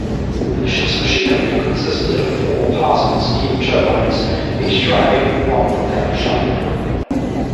The ship's machinery consisted of four Parsons steam turbines, each driving one propeller shaft.